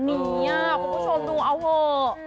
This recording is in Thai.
เนี่ยคุณผู้ชมดูเอาเวอร์